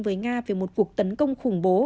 với nga về một cuộc tấn công khủng bố